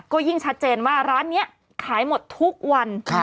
ก็ยิ่งชัดเจนว่าร้านนี้ขายหมดทุกวัน